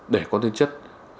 để có tên chất